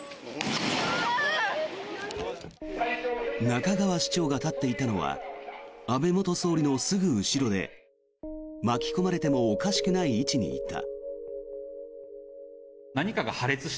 仲川市長が立っていたのは安倍元総理のすぐ後ろで巻き込まれてもおかしくない位置にいた。